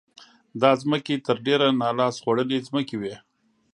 دا ځمکې تر ډېره نا لاس خوړلې ځمکې وې.